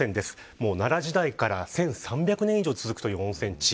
もう奈良時代から１３００年以上続くという温泉地。